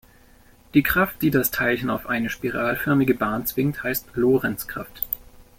Die Kraft, die das Teilchen auf eine spiralförmige Bahn zwingt, heißt Lorentzkraft.